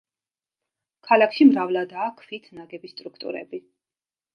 ქალაქში მრავლადაა ქვით ნაგები სტრუქტურები.